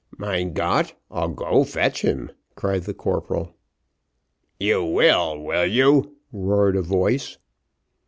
"Mein Gott! I'll go fetch him," cried the corporal. "You will will you?" roared a voice.